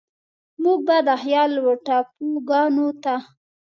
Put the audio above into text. موږ به د خيال و ټاپوګانوته،